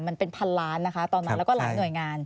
มันเป็นพันล้านนะคะตอนนั้นแล้วก็หลายหน่วยงาน